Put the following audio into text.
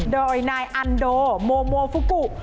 โดยนายอันโดโมโมฟุกุ